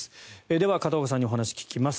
では片岡さんにお話を聞きます。